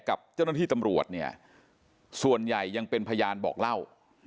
กับเจ้าหน้าที่ตำรวจส่วนใหญ่ยังเป็นพยานบอกเล่า